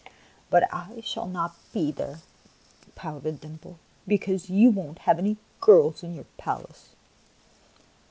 " But I shall not be there," pouted Dimples, "because you won't have any girls in your palace."